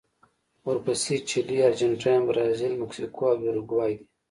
ورپسې چیلي، ارجنټاین، برازیل، مکسیکو او یوروګوای دي.